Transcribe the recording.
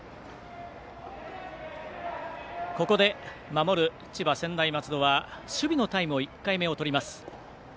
ここで守る千葉・専大松戸は守備のタイム１回目を取ります。